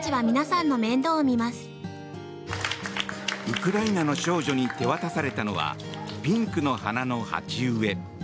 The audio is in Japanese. ウクライナの少女に手渡されたのはピンクの花の鉢植え。